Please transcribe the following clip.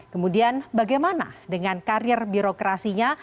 kemudian bagaimana dengan karir birokrasinya